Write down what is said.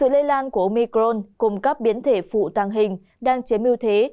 lây lan của omicron cùng các biến thể phụ tăng hình đang chế mưu thế